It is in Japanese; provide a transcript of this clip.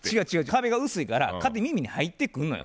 壁が薄いから勝手に耳に入ってくんのよ。